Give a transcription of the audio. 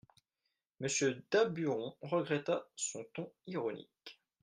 Monsieur Daburon regretta son ton ironique.